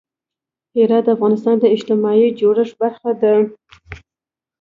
هرات د افغانستان د اجتماعي جوړښت برخه ده.